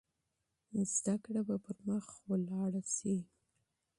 زده کړه به پرمخ ولاړه شي.